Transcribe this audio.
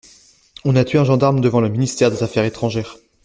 On a tué un gendarme devant le ministère des Affaires étrangères.